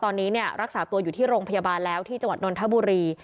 ตอนนี้รักษาตัวอยู่ที่โรงพยาบาลแล้วที่จังหวัดนนทบุรี